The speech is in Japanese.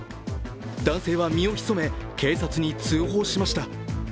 男性は身を潜め警察に通報しました。